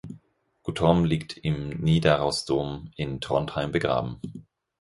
Guttorm liegt im Nidarosdom in Trondheim begraben.